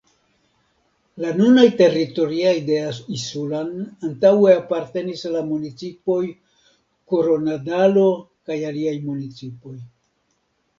La nunaj teritorioj de Isulan antaŭe apartenis al la municipoj Koronadalo kaj aliaj municipoj.